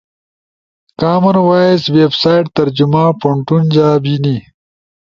امن وائس ویب سائٹ ترجمہ پونٹون جا بینی۔